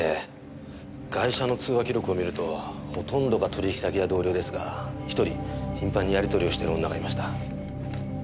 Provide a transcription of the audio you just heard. ガイ者の通話記録を見るとほとんどが取引先や同僚ですが１人頻繁にやり取りをしてる女がいました。